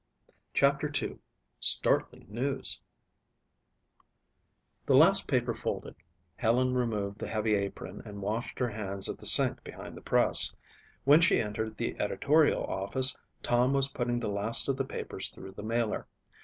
CHAPTER II Startling News The last paper folded, Helen removed the heavy apron and washed her hands at the sink behind the press. When she entered the editorial office Tom was putting the last of the papers through the mailer.